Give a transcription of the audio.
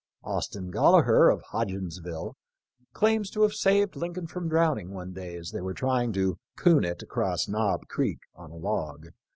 Austin Gollaher of Hodgensville, claims to have saved Lin coln from drowning one day as they were trying to " coon it " across Knob creek on a log.